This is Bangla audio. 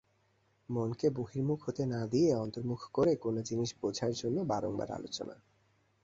মনকে বহির্মুখ হতে না দিয়ে অন্তর্মুখ করে কোন জিনিষ বোঝবার জন্য বারংবার আলোচনা।